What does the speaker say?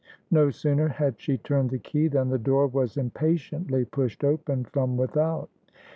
No sooner had she turned the key than the door was impatiently pushed open from without.